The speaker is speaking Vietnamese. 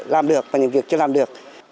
làm được và những việc chưa làm được